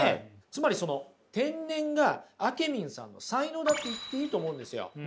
つまりその天然があけみんさんの才能だと言っていいと思うんですよ。